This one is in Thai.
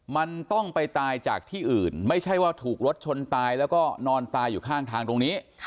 มันต้องไปตายจากที่อื่นไม่ใช่ว่าถูกรถชนตายแล้วก็นอนตายอยู่ข้างทางตรงนี้